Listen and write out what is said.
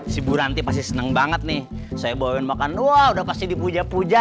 si buranti pasti seneng banget nih saya bawain makan udah pasti dipuja puja